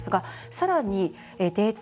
さらにデート